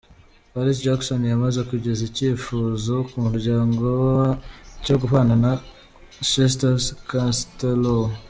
Paris Jackson yamaze kugeza icyifuzo ku muryango we cyo kubana na Chester Castellaw.